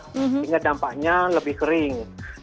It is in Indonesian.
sehingga dampaknya lebih kering